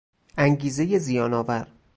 انگیزهی زیان آور